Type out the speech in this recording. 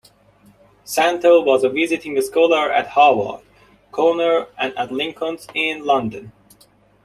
Santow was a visiting scholar at Harvard, Cornell and at Lincoln's Inn, London.